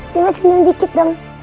cuma senyum dikit dong